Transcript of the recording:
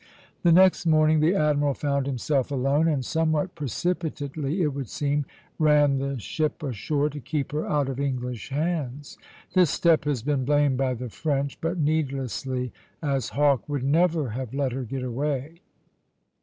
The next morning the admiral found himself alone, and, somewhat precipitately it would seem, ran the ship ashore to keep her out of English hands. This step has been blamed by the French, but needlessly, as Hawke would never have let her get away.